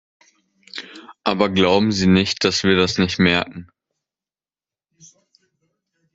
Aber glauben Sie nicht, dass wir das nicht merken.